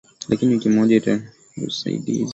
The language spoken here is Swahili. Lakini wiki moja ikapita bila kupata usaidizi